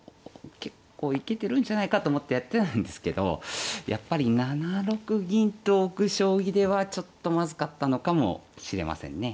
結構いけてるんじゃないかと思ってやってたんですけどやっぱり７六銀と置く将棋ではちょっとまずかったのかもしれませんね。